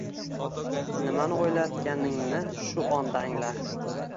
Nimani o’ylayotganingni shu onda angla.